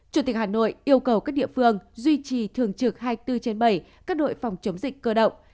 chủ tịch hà nội yêu cầu các địa phương duy trì thường trực hai mươi bốn trên bảy các đội phòng chống dịch cơ động